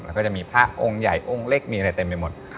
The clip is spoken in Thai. แล้วก็จะมีพระองค์ใหญ่องค์เล็กมีอะไรเต็มไปหมด